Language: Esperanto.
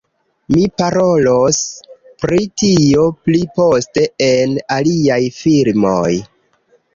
Mi parolos pri tio pli poste en aliaj filmoj